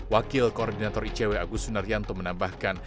wakil koordinator icw agus sunaryanto menambahkan